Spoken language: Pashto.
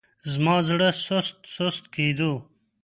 زما زړه سست سست کېدو.